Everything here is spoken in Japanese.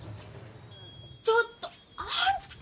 ちょっと、あんた！